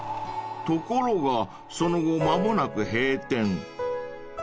［ところがその後間もなく］